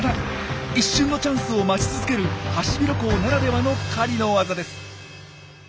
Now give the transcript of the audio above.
一瞬のチャンスを待ち続けるハシビロコウならではの狩りの技です。